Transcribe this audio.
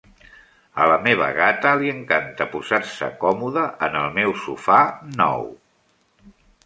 A la meva gata li encanta posar-se còmoda en el meu sofà nou.